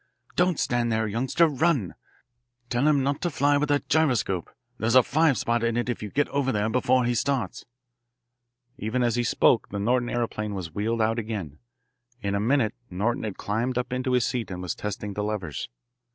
"Don't stand there, youngster. Run! Tell him not to fly with that gyroscope. There's a five spot in it if you get over there before he starts." Even as he spoke the Norton aeroplane was wheeled out again. In a minute Norton had climbed up into his seat and was testing the levers.